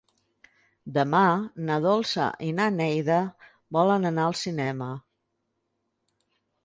Demà na Dolça i na Neida volen anar al cinema.